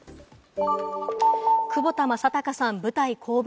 窪田正孝さん、舞台降板。